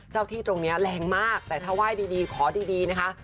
เจ้าที่ตรงนี้แรงมากแต่ถ้าไหว้ดีขอดีนะคะ